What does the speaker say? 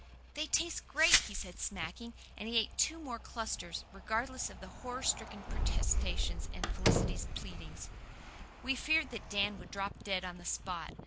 "They taste great," he said, smacking; and he ate two more clusters, regardless of our horror stricken protestations and Felicity's pleadings. We feared that Dan would drop dead on the spot.